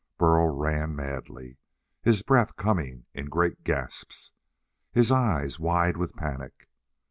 Burl ran madly, his breath coming in great gasps, his eyes wide with panic.